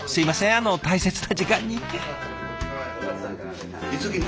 あの大切な時間に。